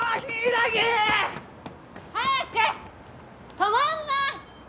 止まんな！